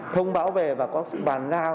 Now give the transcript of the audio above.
thông báo về và có sự bàn giao